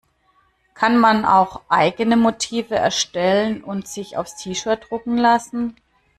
Kann man auch eigene Motive erstellen und sich aufs T-shirt drucken lassen?